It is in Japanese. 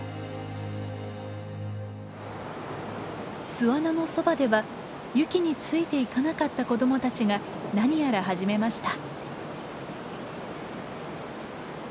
巣穴のそばではユキについていかなかった子どもたちが何やら始めました。